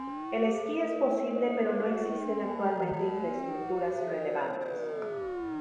El esquí es posible pero no existen actualmente infraestructuras relevantes.